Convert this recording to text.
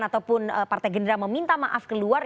ataupun partai gerindra meminta maaf keluar